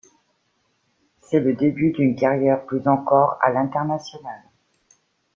C'est le début d'une carrière plus encore à l'international.